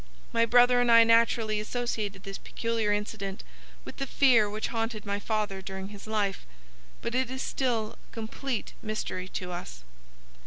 My brother and I naturally associated this peculiar incident with the fear which haunted my father during his life; but it is still a complete mystery to us."